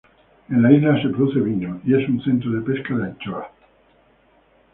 En la isla se produce vino, y es un centro de pesca de anchoas.